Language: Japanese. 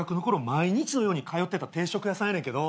毎日のように通ってた定食屋さんやねんけど。